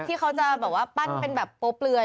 ที่เขาจะแบบว่าปั้นเป็นแบบโปเปลือย